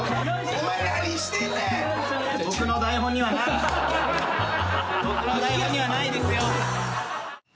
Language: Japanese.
僕の台本にはないですよ。